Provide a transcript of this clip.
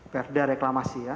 perda reklamasi ya